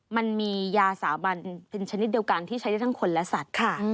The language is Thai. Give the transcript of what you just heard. มันมียาสาบันเป็นชนิดเดียวกันที่ใช้ได้ทั้งคนและสัตว์ค่ะ